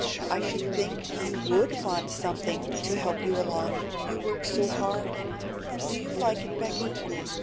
I should think you WOULD want something to help you along, you work so hard. Do you like it, Becky?"